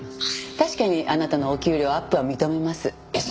確かにあなたのお給料アップは認めます。